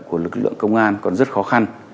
của lực lượng công an còn rất khó khăn